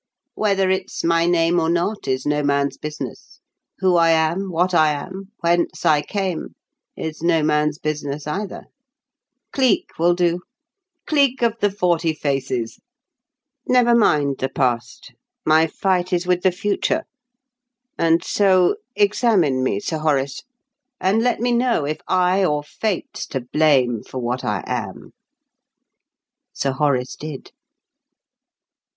"Whether it's my name or not is no man's business; who I am, what I am, whence I came, is no man's business either. Cleek will do Cleek of the Forty Faces. Never mind the past; my fight is with the future, and so examine me, Sir Horace, and let me know if I or Fate's to blame for what I am." Sir Horace did.